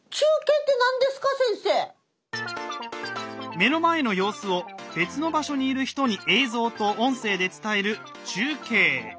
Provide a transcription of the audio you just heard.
目の前の様子を別の場所にいる人に映像と音声で伝える「中継」。